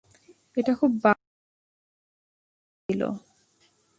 এটা খুব বাঁকা এবং অপেক্ষাকৃত খাড়া ছিল।